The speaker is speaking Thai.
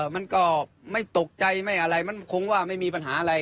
มันก็ไม่ตกใจไม่อะไรมันคงว่าไม่มีปัญหาอะไร